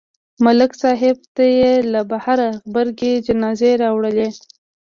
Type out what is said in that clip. ملک صاحب ته یې له بهره غبرګې جنازې راوړلې